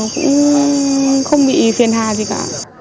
cũng không bị phiền hà gì cả